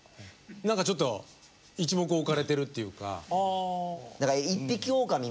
何かちょっと一目置かれてるっていうか。